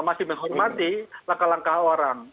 masih menghormati langkah langkah orang